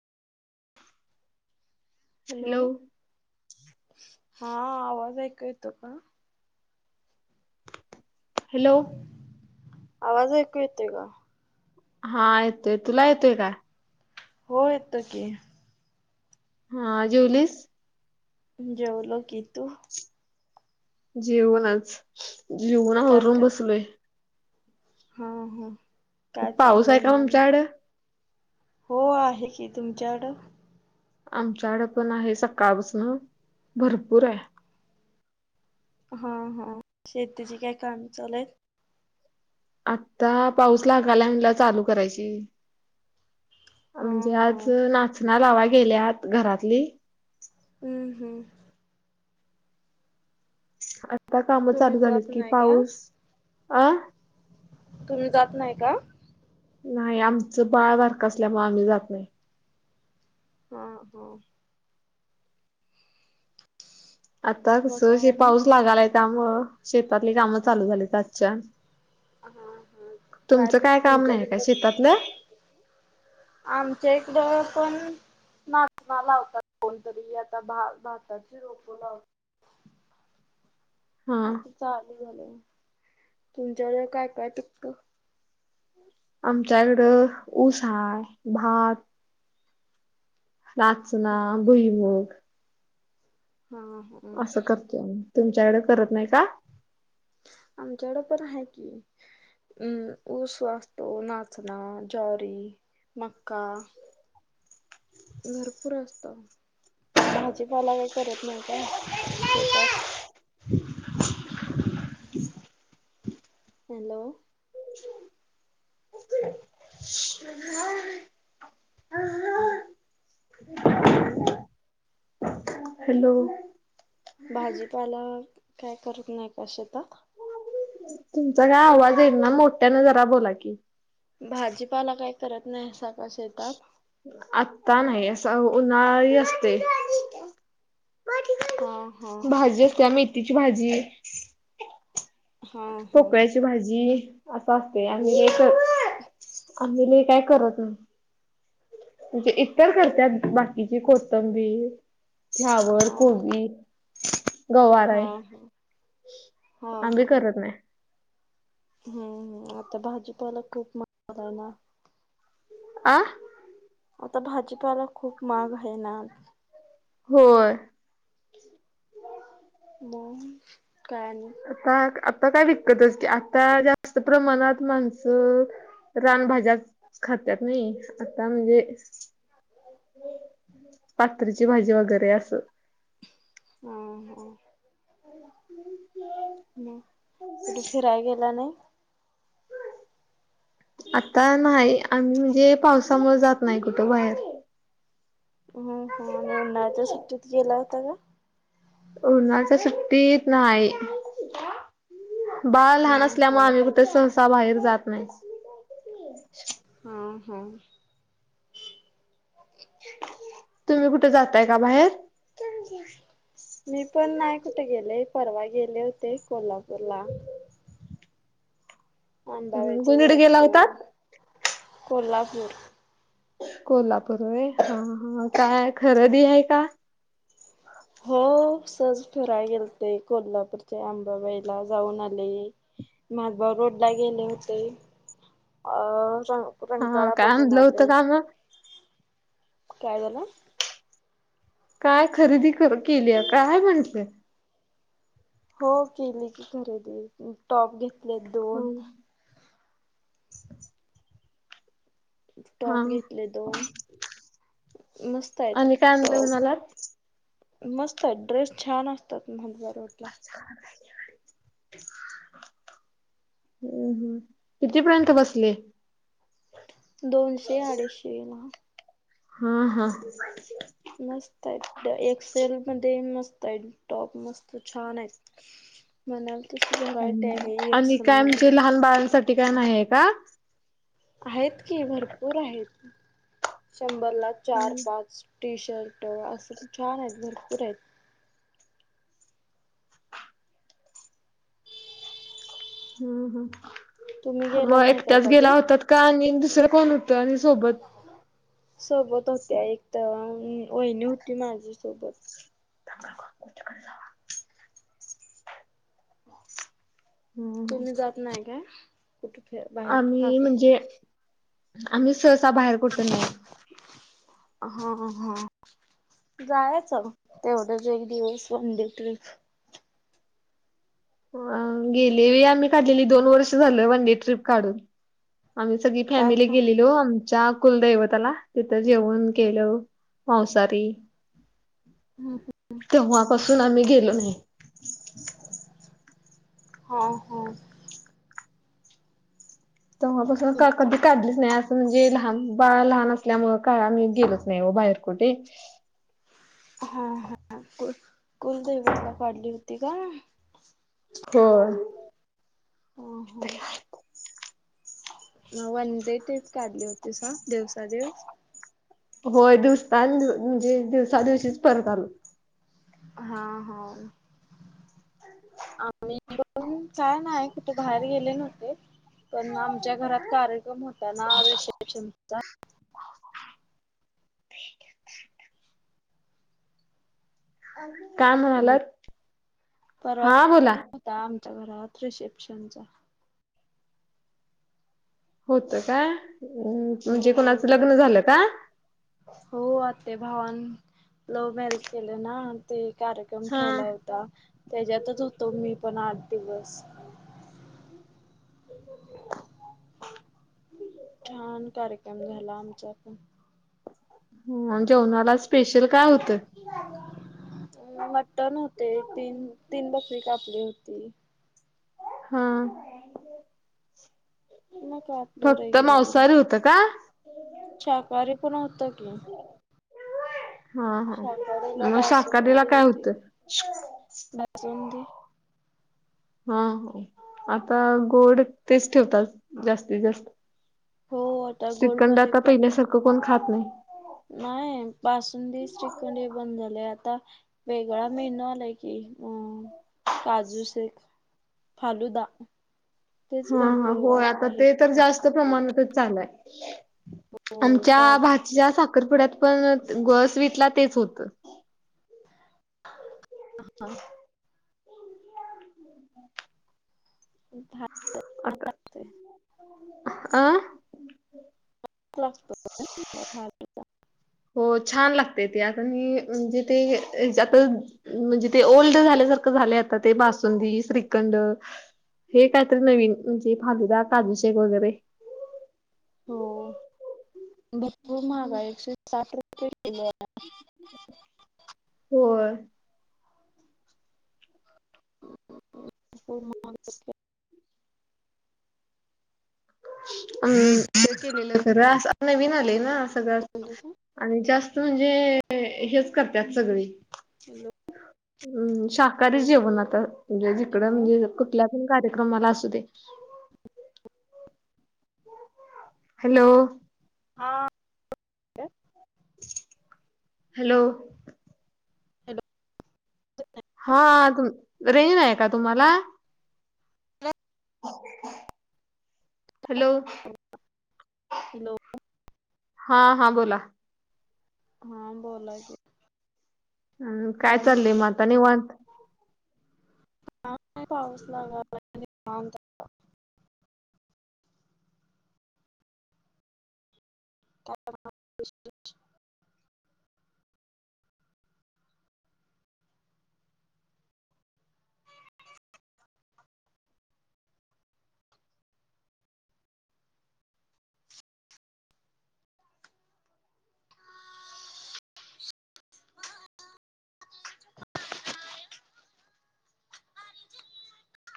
Hello? हा आवाज ऐक येतो का? हॅलो? आवाज ऐकू येतेय का? हा येतोय, तुला येतोय का? हो येतं की, हा जेवलीस, जेवलो की तू, जेऊनच, जेऊन काय आवरून कर बसलोय, हा, हा, काय पाऊस आहे चाललंय, का म आणि, तुमच्याकड हो आहे की, तुमच्याक आमच्याकड पण आहे. सकाळपासन भरपूर आहे. हा, हा, शेतीचे काय काम चालू आहेत? आता पाऊस लागालय चालू करायची. हा आमचे हा आज नाचना लावायला गेल्यात घरातली. हम्म, हम्म, आता काम चालू तुम्ही झालेत जात की, नाही का? पाऊस अ तुम्ही जात नाही का? नाही आमचं बाळ बारक असल्यामुळे आम्ही जात नाही. हा, हो, आता मग कस काय हे आणि पाऊस लागालाय त्यामुळे शेतातली काम चालू झालीत. अच्छा! हा, हा, काय ते तुमच्या नाही का तिकडें शेतातलं आमच्या एकडं पण नाचना लावतात कोणतरी, आता भाताची रोपं लावतात. हा, आता चालू झालं, तुमच्याकडे काय काय पिकत. आमच्याकडं ऊसा आहे. भात नाचना, हा बुईमुग, हा, ह, असं करतात, तुमच्याकडे करत नाही का? आमच्याकडे पण आहे की. हम्, ऊस असतो. नाचना, ज्वारी, मक्का भरपूर असत. भाजीपाला काही करत नाही का शेतात? [inaudible] हॅलो. हॅलो. हॅलो. भाजीपाला काय करत नाही का शेतात? तुमचा काय आवाज येई ना, मोठ्या न जरा बोला की. भाजीपाला काही करत नाही का शेतात? आत्ता नाही, असं उन्हाळी असते. हा हा भाजी असते. मेथीची भाजी हा हा पोकळ्याची भाजी असं असते. आणि एक आम्ही लय काय करत नाही. म्हणजे, इतर करत्यात बाकीची कोथंबीर फ्लावर, हा गोबी, हा गवारा हा आहे. हा. हा आम्ही करत नाही. हम्म, आता भाजीपाला खूप मज आहे ना. आं. आता भाजीपाला खूप मग आहे ना. हो. म, काय आणि- आता आता काय विकत असती, आता जास्त प्रमाणात माणसं रानभज्या खातत नाही. आता म्हणजे पात्रीची भाजी वगैरे असं हा, हा, मग, कुठे फिराय गेला नाही. आता नाही, आम्ही म्हणजे पावसामुळे जात नाही कुठं बाहेर. हम्म ह आणि उन्हाळ्याच्या सुट्टीत गेला होता. उन्हाळच्या सुट्टीत नाही. बाळ लहान हा असल्यामुळे हा आम्ही कुठे सहसा बाहेर जात नाही. हा हा. तुम्ही कुठे जाताय का बाहेर. क मी पण नाही कुठे गेले परवा गेले होते कोल्हापूर ला अंबाबाईचे कुणीकडे गेला होता दर्शन कोल्हापूर. कोल्हापूर व ह हा काय खरेदी आहे का हो सहज फिराय गेलते कोल्हापूरच्या अंबाबाईला जाऊन आले. मालभव रोड ला गेले होते अ हा रणकाळा काय बघून आणलं होतं आले. का म काय झालं. काय खरेदी केली काय म्हंटलंय. हो केली की खरेदी टॉप घेतले दोन. हा टॉप घेतले दोन मस्त आहेत आणि काय आणलं टॉप म्हणालात मस्त आहे ड्रेस छान असतात मदवा रोड ला. [unintelligible] ह् हम् कितीपर्यंत बसले. दोनशे अडीचशेला हम हम. मस्त आहेत एक्सेल मध्ये मस्त आहेत टॉप मस्त छान आहेत. [inaudible] म्हणाल तशी ग. ह् आणि काय म्हणजे लहान बाळासाठी काय नाहीय का आहेत की भरपूर आहेत शंभर ला चार पाच टी शर्ट असं पण छान आहेत भरपूर आहेत. हम् तुम्ही ह गेला मग नाही का एकट्याच गेला कधी? होतात का आणि दुसरं कोण होतं आणि सोबत सोबत होत्या एक तर वहिणी होती माझी सोबत चक [unintelligible] तुम्ही जात नाही का. आम्ही म्हणजे आम्ही सहसा बाहेर कुठं नाही. हा हा. जायचं तेवढ्याच एक दिवस वनडे ट्रिप. गेले आम्ही काढलेली दोन वर्ष झालं वनडे ट्रिप काढून. आम्ही सगळी काय फॅमिली का गेलेलो. ज्या कुलदैवताला तिथं जेऊन केलं मांसारी हम ह. तेव्हापासून आम्ही गेलो नाही. ह हो. त बस कधी करली म्हणजे लहान बाळ लहान असल्यामुळ काय आम्ही गेलोच नाही व बाहेर कुठे. हा हा कु कुलदैवतला काढली होती का हो. हो हो. वन डे ट्रिप काढली होती स दिवसादिवस. होय दिवसता म्हणजे दिवसा दिवशीच परत आलो. हा हा आम्ही. पण काय नाही की तू बाहेर गेले नव्हते. पण आमच्या घरात कार्यक्रम होता ना विशेषचा काय हॅलो म्हणालात परवा हा बोला होता आमच्या घरात रिसेप्शनचा होत काय हो म्हणजे कोणाचं लग्न झालं का हो आ ते भावान लव्ह मॅरेज केले ना ते कार्यक्रम ठेवला हा होता त्याच्यातच होतो मी पण आठ दिवस छान कार्यक्रम झाला आमचा पण जेवणा्हाला स्पेशल काय होतं अ मटन होते तीन तीन बकरी कापली होती हा मग आपलं फक्त रेग्युलर मांसाहारी होतं का शाकाहारी पण होत की हा हा शाकाारोला मग बास शाकाहारीला काय होती होतं? बासंदी हा आता गोड तेच ठेवतात जास्तीत जास्त हो आता श्रीखंड गोल्डमध्येध्ये आता प्र पहिल्यासारखं कोण खात नाही नाही पासूनंदीस तिकं हे बंद झाले आता वेगळा मेनू आलाय की कम काजू शेख फालुदाा हा हा होय आता ते तर जास्त प्रमाणात होय आच्या फालुदा ज्या साखरपुड्यात पण गस वितला तेच होतं ह हा हा अता अ क्लास हा ठी आहे हो छान लागते ते आता म म्हणजे ते आता म्हणजे ते ओल्ड झाल्यासारखं झाले आता ते बसुंदी श्रीखंड हे कायतरी नवीन म्हणजे फालुदा काजूशेक वगैरे हो भरपूर महागा एकशे साठ रुपये किलो आहे हो म ह अम केलेलं खरं अस नवीन ना आहे सगळं हॅलो आणि जास्त म्हणजे हेच करतत सगळी हलो हम् शाकाहारी जेवण आताे जिकडं हॅलो म्हणजे क कार्यक्रमला असू दे हॅलो हा हॅलो हॅलो हॅलो हाु रेन आहे का तुम्हाला ह हॅलो हॅलो हा हा बोला हां बोला क हम् कायतलली मात नव अंत पाऊस लागाला त्या